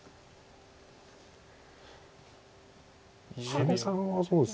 羽根さんはそうですね。